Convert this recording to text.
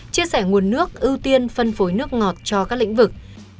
chia sẻ nguồn nước ưu tiên phân phối nước ngọt cho các lĩnh vực